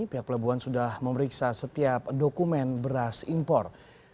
pihak pelabuhan sudah memeriksa setiap dokumen beras impor